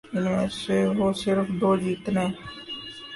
ان میں سے وہ صرف دو جیتنے